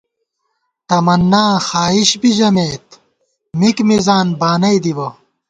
تمناں خائش بی ژمېت، مِک مِزان بانَئی دِبہ